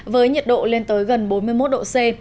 với nhiệt độ lên tới gần bốn mươi một độ c